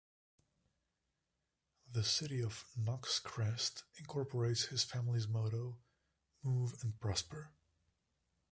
The City of Knox Crest incorporates his family's motto 'Move and Prosper'.